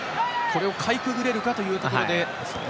これをかいくぐれるかというところで。